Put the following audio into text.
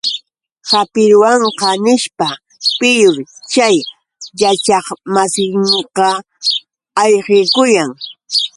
¡Hapiruwanqa!, nishpa, piyur chay yachaqmasinqa ayqikuyan.